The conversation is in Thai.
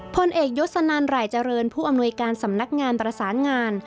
พลเอกยศนันหลายเจริญผู้อำนวยการสำนักงานประสานงาน